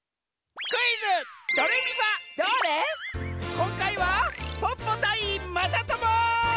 こんかいはポッポたいまさとも！